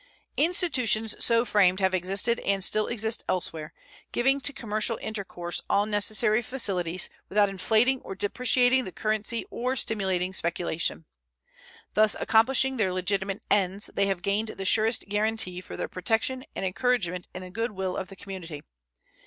Institutions so framed have existed and still exist elsewhere, giving to commercial intercourse all necessary facilities without inflating or depreciating the currency or stimulating speculation. Thus accomplishing their legitimate ends, they have gained the surest guaranty for their protection and encouragement in the good will of the community.